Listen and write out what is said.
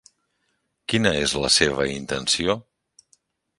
Quina és la seva intenció?